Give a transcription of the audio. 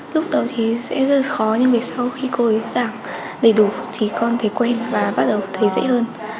lúc đầu thì sẽ rất khó nhưng về sau khi cô ấy giảng đầy đủ thì con thấy quen và bắt đầu thấy dễ hơn